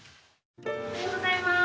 おはようございます。